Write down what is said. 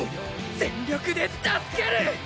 全力で助ける！